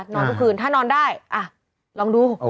นอนทุกคืนถ้านอนได้ลองดู